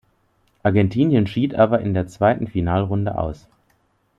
Argentinien schied aber in der zweiten Finalrunde aus.